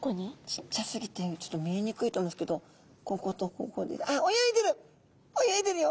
ちっちゃすぎてちょっと見えにくいと思うんですけどこことここであっ泳いでる！